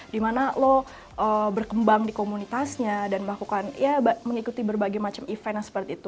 dimana lo berkembang di komunitasnya dan melakukan ya mengikuti berbagai macam event yang seperti itu